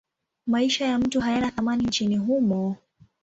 Maisha ya mtu hayana thamani nchini humo.